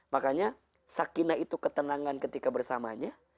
makanya sakinah itu ketenangan ketika bersamanya